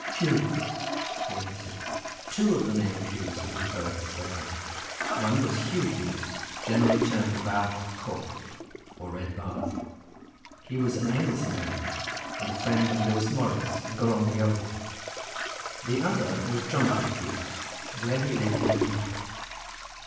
"Hughes," he answered. "Two of the name of Hughes have been poets," said I—"one was Huw Hughes, generally termed the Bardd Coch, or red bard; he was an Anglesea man, and the friend of Lewis Morris and Gronwy Owen—the other was Jonathan Hughes, where he lived I know not."